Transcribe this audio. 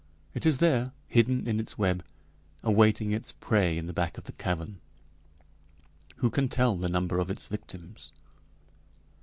It is there hidden in its web awaiting its prey in the back of the cavern! Who can tell the number of its victims?"